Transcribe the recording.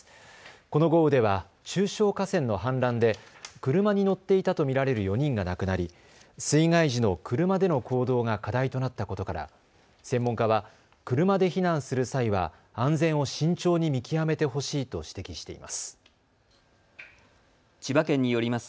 この豪雨では中小河川の氾濫で車に乗っていたと見られる４人が亡くなり水害時の車での行動が課題となったことから専門家は車で避難する際は安全を慎重に見極めてほしいと指摘しています。